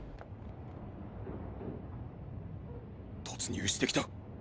突入してきた。